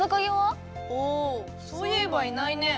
あそういえばいないね。